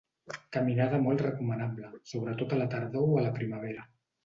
Caminada molt recomanable, sobretot a la tardor o a la primavera.